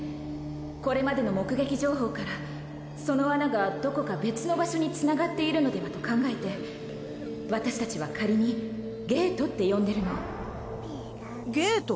これまでの目撃情報からその穴がどこか別の場所につながっているのではと考えて私たちは仮にゲートって呼んでるのゲート？